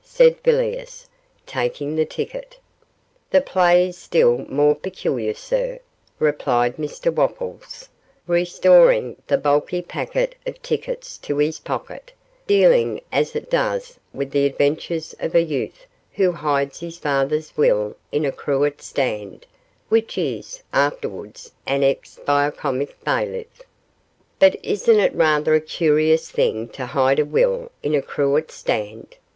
said Villiers, taking the ticket. 'The play is still more peculiar, sir,' replied Mr Wopples, restoring the bulky packet of tickets to his pocket, 'dealing as it does with the adventures of a youth who hides his father's will in a cruet stand, which is afterwards annexed by a comic bailiff.' 'But isn't it rather a curious thing to hide a will in a cruet stand?